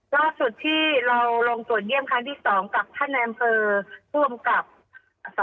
รอบสุดที่เราลงตรวจเยี่ยมครั้งที่๒กับท่านแอนเฟอร์